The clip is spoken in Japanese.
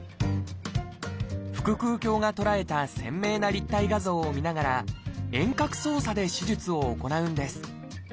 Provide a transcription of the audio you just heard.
腹腔鏡が捉えた鮮明な立体画像をみながら遠隔操作で手術を行うんです